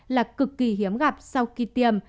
là cực kỳ hiếm gặp sau khi tiêm